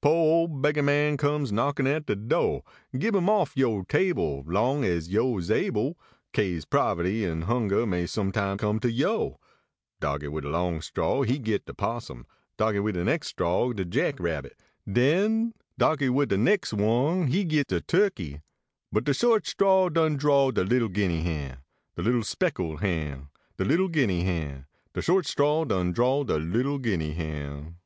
Po ole beggah man comes knockin at de do ; Gib im offyo table Long as yo is able, Kase poverty an hunger may sometime come to yo . Darkey wid de long straw he git de possum, Darkey wid de nex straw de jack rabbit ; den Darkey wid de nex one he git de turkey, But de short straw done draw de little Guinea hen. De little speckle hen, De little Guinea heu, De short straw done draw de little Guinea hen.